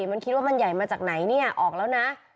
มันก็ไม่คิดว่ามันใหญ่มาจากไหนออกแล้วนะ